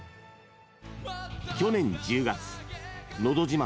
去年１０月「のど自慢」